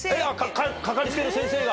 かかりつけの先生が？